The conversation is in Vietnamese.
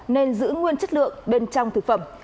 nên giữ nguyên chất lượng bên trong thực phẩm